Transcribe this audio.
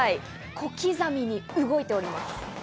小刻みに動いております。